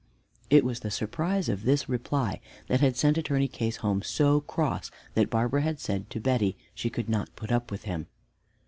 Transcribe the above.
It was the surprise of this reply that had sent Attorney Case home so cross that Barbara had said to Betty she could not put up with him.